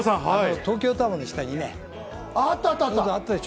東京タワーの下にあったでしょ？